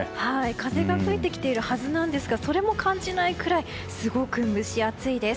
風が吹いてきているはずなんですがそれも感じないくらいすごく蒸し暑いです。